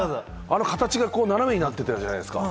形が斜めになってたじゃないですか。